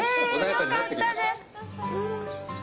よかったです。